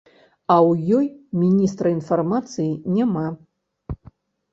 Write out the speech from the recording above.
А ў ёй міністра інфармацыі няма!